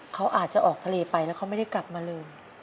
เขาอาจจะออกทะเลไปแล้วเขาไม่ได้กลับมาเลย